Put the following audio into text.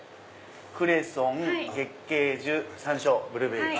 クレソン月桂樹山椒ブルーベリー。